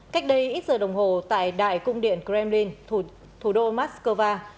cách đây ít giờ đồng hồ tại đại cung điện kremlin thủ đô moskova